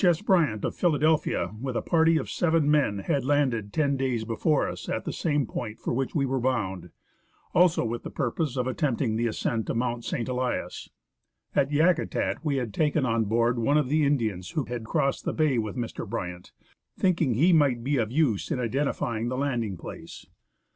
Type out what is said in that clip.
S. Bryant, of Philadelphia, with a party of seven men, WEST COAST OF YAKUTAT BAY. had landed ten days before us at the same point for which we were bound, also with the purpose of attempting the ascent of Mount St. Elias. At Yakutat we had taken on board one of the Indians who had crossed the bay with Mr, Bryant, thinking he might be of use in identifying the landing place.